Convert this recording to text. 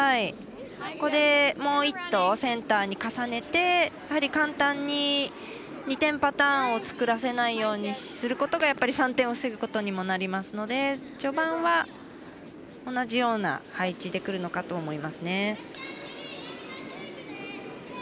ここでもう１投センターに重ねてやはり簡単に２点パターンを作らせないようにすることがやっぱり３点を防ぐことにもなりますので序盤は同じような配置でくるのかと思います。